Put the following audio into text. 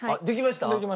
できましたよ。